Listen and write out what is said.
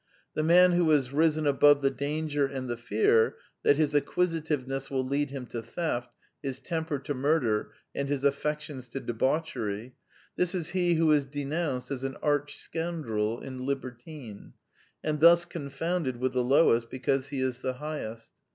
The man who has risen above the danger and the fear that his acquisitive ness will lead him to theft, his temper to murder, and his affections to debauchery: this is he who is denounced as an arch scoundrel and libertine, and thus confounded with the lowest because he is the highest.